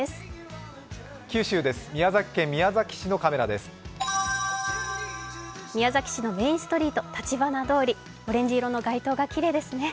宮崎市のメインストリート橘通り、オレンジ色の街灯がきれいですね。